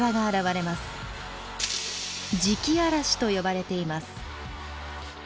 磁気嵐と呼ばれています。